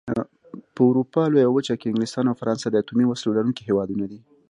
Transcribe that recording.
په اروپا لويه وچه کې انګلستان او فرانسه د اتومي وسلو لرونکي هېوادونه دي.